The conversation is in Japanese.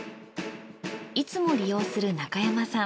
いつも利用する中山さん。